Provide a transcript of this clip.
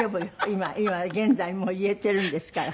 今今現在もう言えてるんですから。